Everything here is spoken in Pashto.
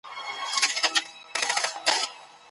یوه جمله کولی شي ژوند بدل کړي.